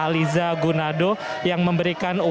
lampu lampu lampu